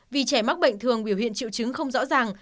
vì trẻ mắc bệnh thường biểu hiện triệu chứng không rõ ràng